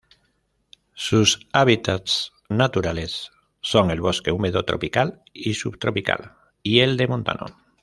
Sus hábitats naturales son el bosque húmedo tropical y subtropical y el de montano.